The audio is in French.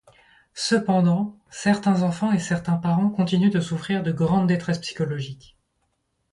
Cependant, certains enfants et certains parents continuent de souffrir de grande détresse psychologique.